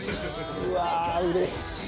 うわあうれしい！